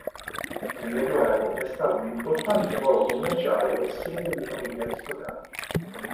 Nel medioevo è stato un importante polo commerciale e sede di famiglie aristocratiche.